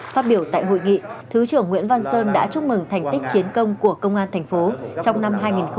phát biểu tại hội nghị thứ trưởng nguyễn văn sơn đã chúc mừng thành tích chiến công của công an thành phố trong năm hai nghìn hai mươi ba